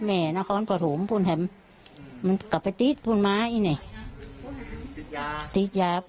มากกำลังที่นี่